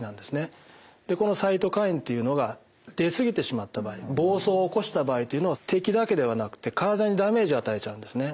でこのサイトカインっていうのが出過ぎてしまった場合暴走を起こした場合というのは敵だけではなくて体にダメージを与えちゃうんですね。